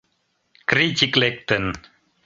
— Критик лектын.